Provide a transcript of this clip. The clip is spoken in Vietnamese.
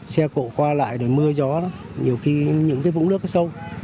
xe cộ qua lại mưa gió nhiều khi những vũng nước có sâu